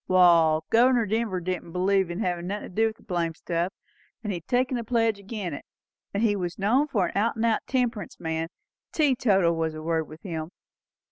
Wall, Governor Denver didn't believe in havin' nothin' to do with the blamed stuff; and he had taken the pledge agin it, and he was known for an out and out temperance man; teetotal was the word with him.